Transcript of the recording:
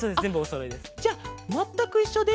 じゃあまったくいっしょで。